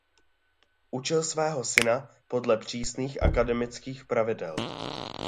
Učil svého syna podle přísných akademických pravidel.